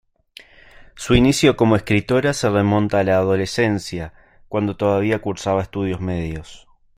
Su inicio como escritora se remonta a la adolescencia, cuando todavía cursaba estudios medios.